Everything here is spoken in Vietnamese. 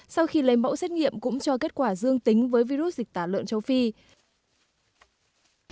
sau khi lấy mẫu xét nghiệm cũng cho kết quả dương tính với virus dịch tả lợn châu phi